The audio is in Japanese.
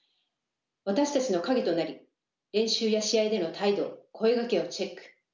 私たちの影となり練習や試合での態度声掛けをチェック。